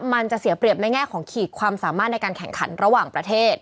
มันจะเสียเปรียบในแง่ของขีดความสามารถในการแข่งขันระหว่างประเทศ